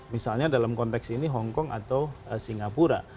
misalnya dalam konteks ini hongkong atau singapura